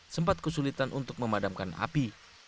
sempat kesulitan untuk memadamkan api